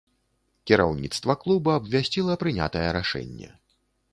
Кіраўніцтва клуба абвясціла прынятае рашэнне.